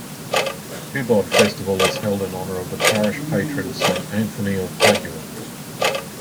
Tubod Festival is held in honor of the parish patron, Saint Anthony of Padua.